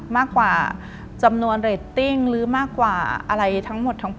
มากกว่าจำนวนเรตติ้งหรือมากกว่าอะไรทั้งหมดทั้งป